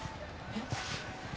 えっ！